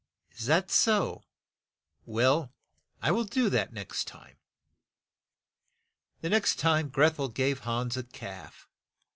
"Is that so? Well, I will do that the next time." The next time Greth el gave Hans a calf.